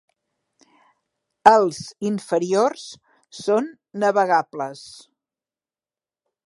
Els inferiors són navegables.